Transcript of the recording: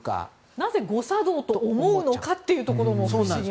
なぜ誤作動と思うのかというところも不思議なんです。